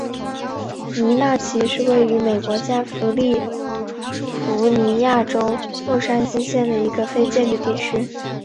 尼纳奇是位于美国加利福尼亚州洛杉矶县的一个非建制地区。